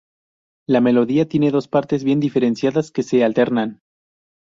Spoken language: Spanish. La melodía tiene dos partes bien diferenciadas, que se alternan.